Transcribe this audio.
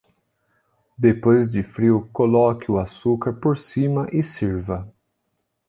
Depois de frio, coloque o açúcar por cima e sirva.